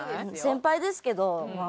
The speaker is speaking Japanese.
先輩ですけどまあ